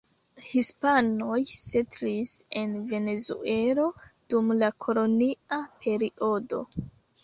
Hispanoj setlis en Venezuelo dum la kolonia periodo.